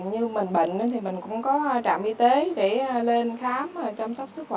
nếu như mình bệnh thì mình cũng có trạm y tế để lên khám và chăm sóc sức khỏe